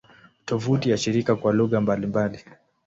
Tovuti ya shirika kwa lugha mbalimbali